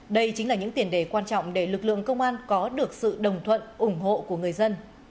đây chính là những tiền đề quan trọng để lực lượng công an có được sự đồng thuận ủng hộ của người dân